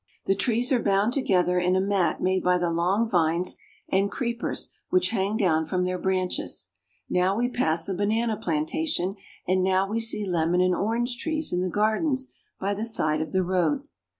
The trees are bound together in a mat made by the long vines and creepers which hang down from their branches. Now we pass a banana plantation, and now we see lemon and orange trees in the gardens by the side of the road.